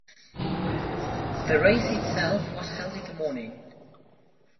The race itself was held in the morning.